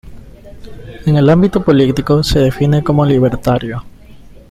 En el ámbito político, se define como libertario.